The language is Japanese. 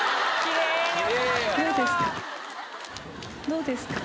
どうですか？